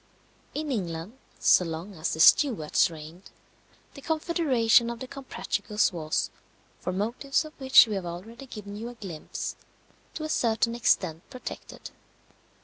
In England, so long as the Stuarts reigned, the confederation of the Comprachicos was (for motives of which we have already given you a glimpse) to a certain extent protected.